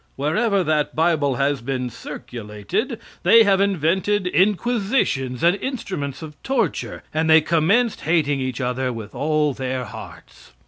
Wherever that Bible has been circulated, they have invented inquisitions and instruments of torture, and they commenced hating each other with all their hearts.